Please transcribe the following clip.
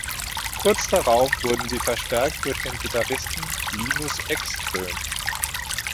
Kurz darauf wurden sie verstärkt durch den Gitarristen Linus Ekström.